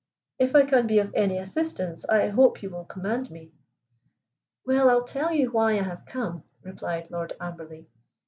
If I can be of any assistance I hope you will command me." "Well, I'll tell you why I have come," replied Lord Amberley.